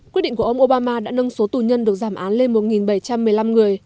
quyết định của ông obama đã nâng số tù nhân được giảm án lên một bảy trăm một mươi năm người